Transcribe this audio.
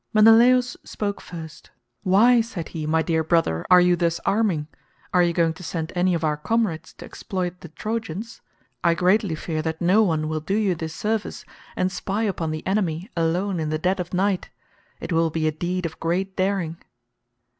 Menelaus spoke first. "Why," said he, "my dear brother, are you thus arming? Are you going to send any of our comrades to exploit the Trojans? I greatly fear that no one will do you this service, and spy upon the enemy alone in the dead of night. It will be a deed of great daring."